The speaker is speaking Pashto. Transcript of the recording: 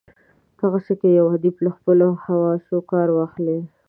دغسي که یو ادیب له خپلو حواسو کار واخلي.